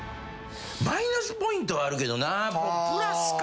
マイナスポイントはあるけどなプラスか。